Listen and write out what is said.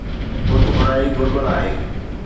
پٺڀرائي گهربل آهي.